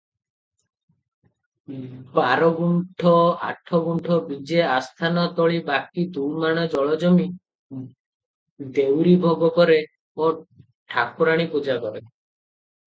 ବାରଗୁଣ୍ଠ ଆଠଗୁଣ୍ଠ ବିଜେ ଆସ୍ଥାନ ତଳି ବାକି ଦୁଇମାଣ ଜଳଜମି, ଦେଉରୀ ଭୋଗକରେ ଓ ଠାକୁରାଣୀ ପୂଜାକରେ ।